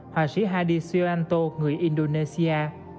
họa sĩ hadi sioanto người indonesia